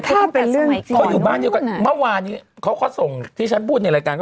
เค้าอยู่บ้านอยู่กันเมื่อวานเค้าส่งที่ฉันพูดในรายการ